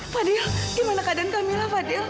fadil gimana keadaan kamila fadil